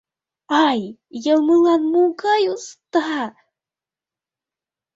— Ай, йылмылан могай уста...